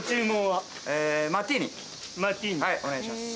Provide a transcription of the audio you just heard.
はいお願いします。